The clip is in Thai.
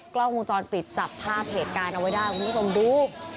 กล้องมุมจรปิดจับผ้าเพจการเอาไว้ด้านคุณผู้ชมดู